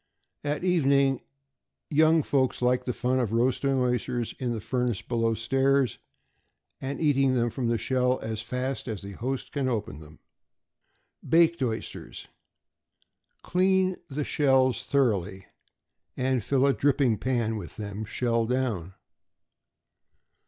At evening, young folks like the fun of roasting oysters in the furnace below stairs, and eating them from the shell as fast as the host can open them. =Baked Oysters.= Clean the shells thoroughly, and fill a dripping pan with them, deep shell down.